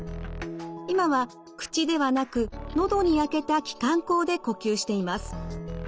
今は口ではなく喉に開けた気管孔で呼吸しています。